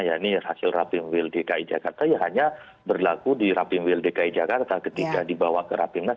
ya ini hasil rapimwill dki jakarta ya hanya berlaku di rapimwill dki jakarta ketika dibawa ke rapimnas